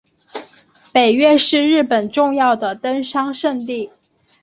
北岳是日本重要的登山圣地。